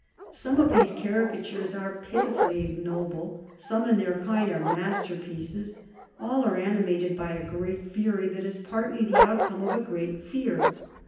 Some of these caricatures are pitifully ignoble, some in their kind are masterpieces; all are animated by a great fury that is partly the outcome of a great fear.